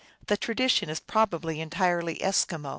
The tradition is probably entirely Eskimo.